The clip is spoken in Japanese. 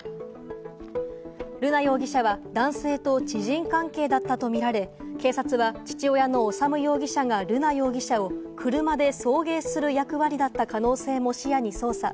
瑠奈容疑者は男性と知人関係だったとみられ、警察は父親の修容疑者が瑠奈容疑者を車で送迎する役割だった可能性も視野に捜査。